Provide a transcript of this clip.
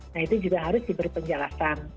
nah itu juga harus diberi penjelasan